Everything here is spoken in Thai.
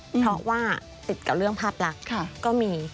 เพราะว่าติดกับเรื่องภาพลักษณ์ก็มี